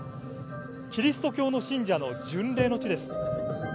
キリスト教の信者の巡礼の地です。